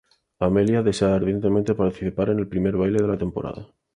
Amelia desea ardientemente participar en el primer baile de la temporada.